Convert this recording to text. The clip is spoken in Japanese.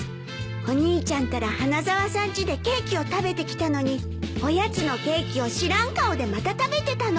お兄ちゃんったら花沢さんちでケーキを食べてきたのにおやつのケーキを知らん顔でまた食べてたの。